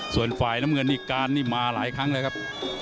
ส่วนฝ่ายน้ำเงินนี่การนี่มาหลายครั้งเลยครับ